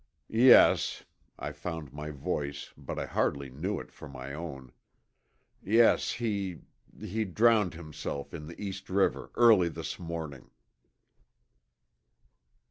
"Yes." I found my voice, but I hardly knew it for my own. "Yes, he he drowned himself in the East River early this morning!"